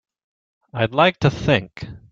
I'd like to think.